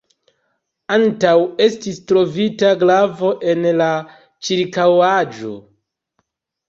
Antaŭe estis trovita glavo en la ĉirkaŭaĵo.